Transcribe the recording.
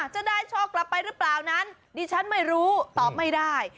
จะได้โชคกลับไปหรือเปล่านั้นดิฉันไม่รู้ตอบไม่ได้